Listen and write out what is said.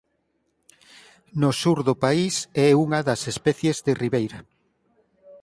No sur do país é unha das especies de ribeira.